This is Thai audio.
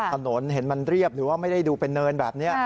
ถนนเห็นมันเรียบหรือว่าไม่ได้ดูเป็นเนินแบบนี้